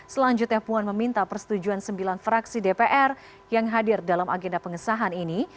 selanjutnya puan meminta persetujuan sembilan fraksi dpr yang hadir dalam agenda pengesahan ini